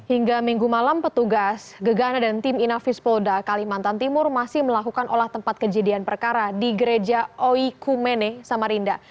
hingga minggu malam petugas gegana dan tim inafis polda kalimantan timur masih melakukan olah tempat kejadian perkara di gereja oikumene samarinda